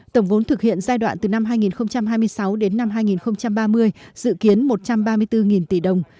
tổng vốn thực hiện giai đoạn từ năm hai nghìn hai mươi sáu đến năm hai nghìn ba mươi dự kiến một trăm ba mươi bốn tỷ đồng